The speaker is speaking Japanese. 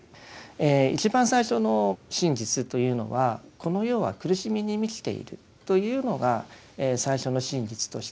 一番最初の真実というのは「この世は苦しみに満ちている」というのが最初の真実として説かれました。